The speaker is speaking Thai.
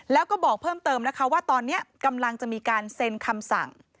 แล้วก็บอกเพิ่มเติมนะคะว่าตอนนี้กำลังจะมีการเซ็นคำสั่ง